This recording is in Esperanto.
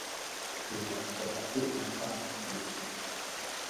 Sur la strato infanoj ludis.